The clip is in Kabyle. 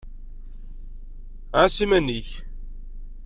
Ɛas iman-ik!